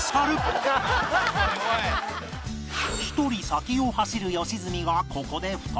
一人先を走る良純がここで再び